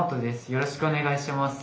よろしくお願いします。